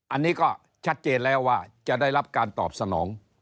อันนี้ก็ชัดเจนแล้วว่าจะได้รับการตอบสนอง